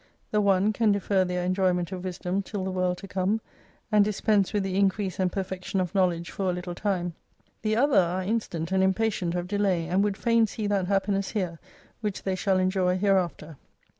The one can defer their enjoyment of Wisdom till the World to come, and dispense with the increase and perfection of knowledge for a little time : the other are instant and impatient of delay, and would fain see that happiness here, which they shall enjoy hereafter.